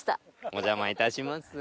お邪魔いたします。